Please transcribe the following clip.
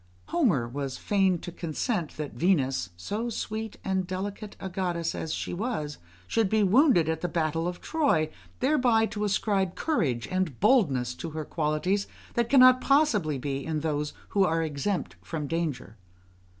Homer was fain to consent that Venus, so sweet and delicate a goddess as she was, should be wounded at the battle of Troy, thereby to ascribe courage and boldness to her qualities that cannot possibly be in those who are exempt from danger.